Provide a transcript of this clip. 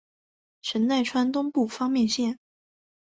神奈川东部方面线。